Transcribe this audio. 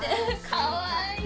かわいい！